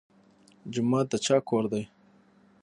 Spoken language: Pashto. جومات د چا کور دی؟